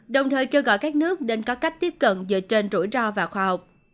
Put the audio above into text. đồng thời kêu gọi các nước nên có cách tiếp cận dựa trên rủi ro và khoa học